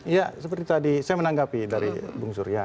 ya seperti tadi saya menanggapi dari bung surya